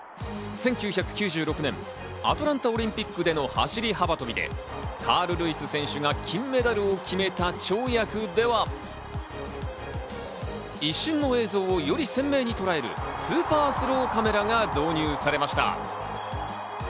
１９９６年、アトランタオリンピックでの走り幅跳びでカール・ルイス選手が金メダルを決めた跳躍では、一瞬の映像をより鮮明にとらえるスーパースローカメラが導入されました。